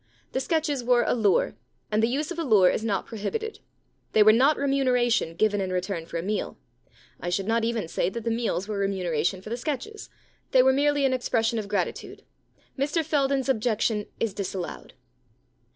The sketches were a lure, and the use of a lure is not prohibited. They were not remuneration given in return for a meal. I should not even say that the meals were remuneration for the sketches ; they were merely an expression of gratitude. Mr Fel dane*s objection is disallowed.